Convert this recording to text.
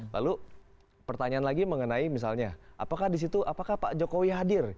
lalu pertanyaan lagi mengenai misalnya apakah di situ apakah pak jokowi hadir